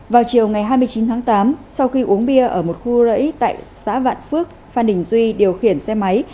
vào chiều ngày hai mươi chín tháng tám sau khi uống bia ở một khu rẫy tại xã vạn phước phan đình duy điều khiển xe máy